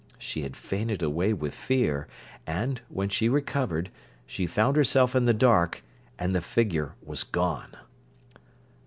She had fainted away with fear; and, when she recovered, she found herself in the dark, and the figure was gone.